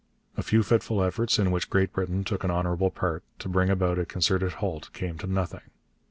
A few fitful efforts, in which Great Britain took an honourable part, to bring about a concerted halt came to nothing.